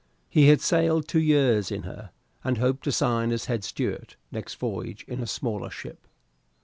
He had sailed two years in her, and hoped to sign as head steward next voyage in a smaller ship.